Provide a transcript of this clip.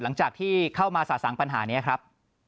หลังจากที่เข้ามาสะสังปัญหานี้ครับ